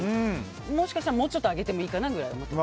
もしかしたら、もうちょっと上げてもいいかなぐらい。